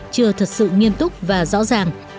chưa thật sự nghiên túc và rõ ràng